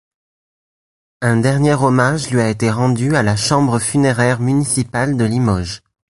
Un dernier hommage lui a été rendu à la chambre funéraire municipale de Limoges.